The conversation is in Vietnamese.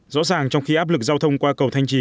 rõ ràng trong khi áp lực giao thông qua cầu thanh trì